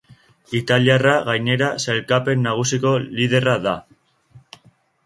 Italiarra, gainera, sailkapen nagusiko liderra da.